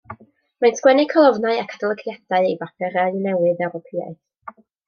Mae'n sgwennu colofnau ac adolygiadau i bapurau newydd Ewropeaidd.